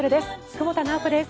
久保田直子です。